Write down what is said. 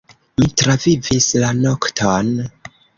Mi travivis la nokton!